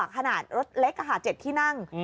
ขนาดรถเล็ก๗ที่นั่ง